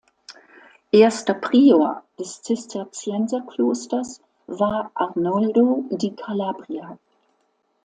Erster Prior des Zisterzienserklosters war Arnoldo di Calabria.